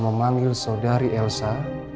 memanggil saudari elsa